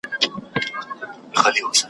د غوايي په څېر مي غټي پښې لرلای ,